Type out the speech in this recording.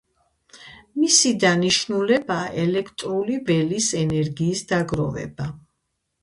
მისი დანიშნულებაა ელექტრული ველის ენერგიის დაგროვება.